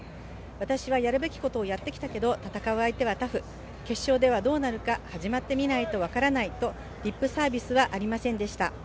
私はやるべきことをやってきたけど戦う相手はタフ、決勝ではどうなるか始まってみないと分からないとリップサービスはありませんでした。